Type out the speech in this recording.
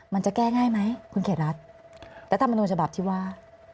มันจะแก้ง่ายไหมคุณเขตรัฐมนุนฉบับที่ว่า